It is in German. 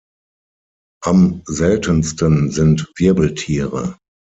Am seltensten sind Wirbeltiere.